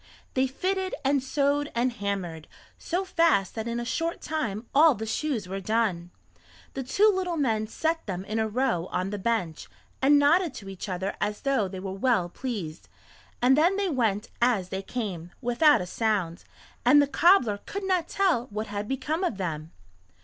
They fitted and sewed and hammered, so fast that in a short time all the shoes were done. The two little men set them in a row on the bench, and nodded to each other as though they were well pleased, and then they went as they came, without a sound, and the cobbler could not tell what had become of them.